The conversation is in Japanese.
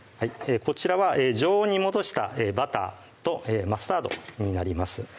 こちらは常温に戻したバターとマスタードになります